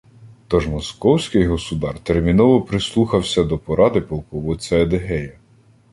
Тож «Московський Государ» терміново прислухався до поради полководця Едигея